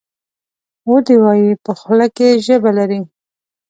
ودي وایي ! په خوله کې ژبه لري .